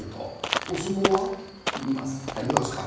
お相撲は見ますか？